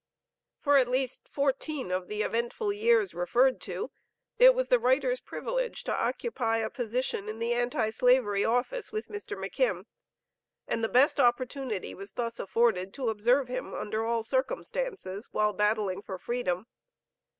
For at least fourteen of the eventful years referred to, it was the writer's privilege to occupy a position in the Anti slavery office with Mr. McKim, and the best opportunity was thus afforded to observe him under all circumstances while battling for freedom.